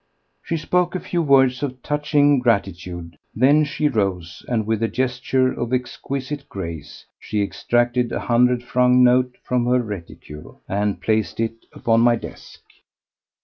She spoke a few words of touching gratitude, then she rose, and with a gesture of exquisite grace she extracted a hundred franc note from her reticule and placed it upon my desk.